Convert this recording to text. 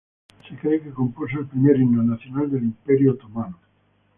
Se cree que compuso el primer himno nacional del Imperio otomano.